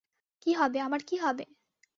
কী হবে, আমার কী হবে!